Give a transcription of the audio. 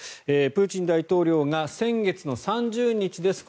プーチン大統領が先月３０日です。